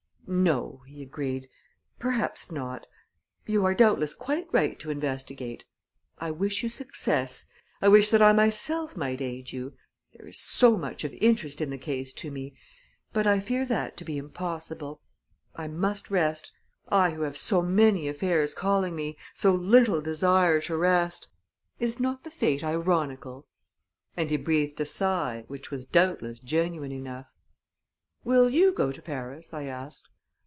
"No," he agreed; "perhaps not. You are doubtless quite right to investigate. I wish you success I wish that I myself might aid you, there is so much of interest in the case to me; but I fear that to be impossible. I must rest I who have so many affairs calling me, so little desire to rest! Is not the fate ironical?" And he breathed a sigh, which was doubtless genuine enough. "Will you go to Paris?" I asked.